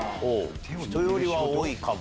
人よりは多いかも？